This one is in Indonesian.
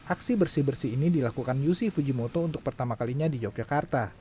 aksi bersih bersih ini dilakukan yusi fujimoto untuk pertama kalinya di yogyakarta